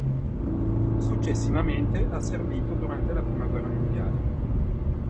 Successivamente ha servito durante la prima guerra mondiale.